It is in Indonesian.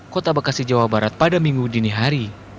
kota bekasi jawa barat pada minggu dini hari